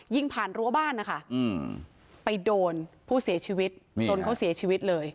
ผ่านรั้วบ้านนะคะไปโดนผู้เสียชีวิตจนเขาเสียชีวิตเลย